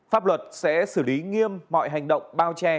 pháp luật sẽ xử lý nghiêm mọi hành động bao che